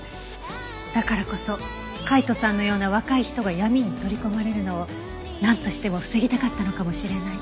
だからこそ海斗さんのような若い人が闇に取り込まれるのをなんとしても防ぎたかったのかもしれない。